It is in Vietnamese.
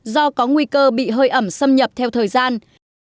do có nguy cơ bị hơi ẩm xâm nhập theo thời gian